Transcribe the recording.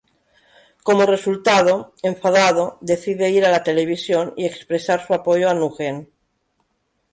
Como resultado, enfadado, decide ir a la televisión y expresar su apoyo a Nugent.